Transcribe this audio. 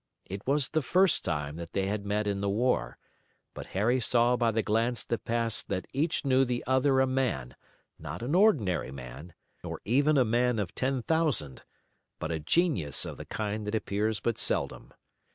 It was the first time that they had met in the war, but Harry saw by the glance that passed that each knew the other a man, not an ordinary man, nor even a man of ten thousand, but a genius of the kind that appears but seldom.